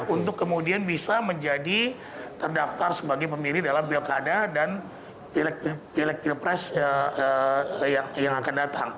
untuk kemudian bisa menjadi terdaftar sebagai pemilih dalam pilkada dan pilek pilpres yang akan datang